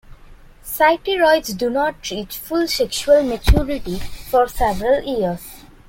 Physeteroids do not reach full sexual maturity for several years.